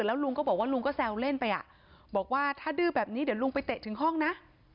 แล้วลุงก็บอกว่าลุงก็แซวเล่นไปอ่ะบอกว่าถ้าดื้อแบบนี้เดี๋ยวลุงไปเตะถึงห้องนะ